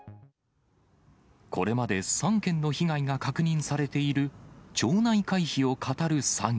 これまで３件の被害が確認されている町内会費をかたる詐欺。